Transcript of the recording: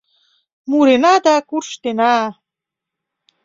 Мурена да куштена.